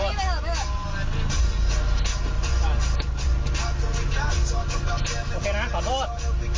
โอเคนะขอโทษ